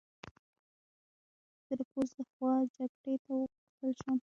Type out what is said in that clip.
زه د پوځ له خوا جګړې ته وغوښتل شوم